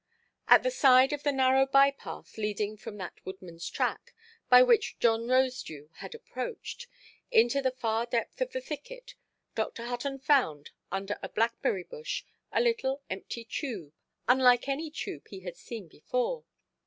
At the side of the narrow by–path leading from that woodmanʼs track (by which John Rosedew had approached) into the far depth of the thicket, Dr. Hutton found, under a blackberry–bush, a little empty tube, unlike any tube he had seen before.